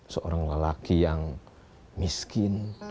seorang lelaki yang miskin